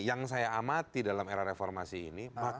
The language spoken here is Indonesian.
yang saya amati dalam era reformasi ini